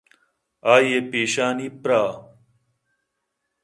آئی ءِپیشانی پرٛاہ